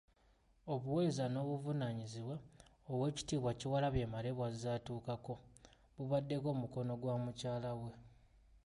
Obuweereza n'obuvunaanyizibwa Oweekitiibwa Kyewalabye Male bw'azze atuukako, bubaddeko omukono gwa mukyala we .